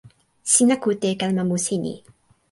sina kute e kalama musi ni.